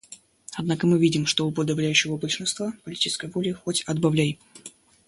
Однако мы видим, что у подавляющего большинства политической воли хоть отбавляй.